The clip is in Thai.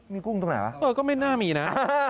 มีกุ้งตรงไหนหรอก็ไม่น่ามีนะ